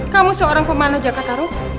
kamu seorang pemanah jakartaru